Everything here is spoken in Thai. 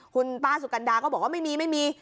คุณป้าสุกรรณาก็บอกว่าไม่มี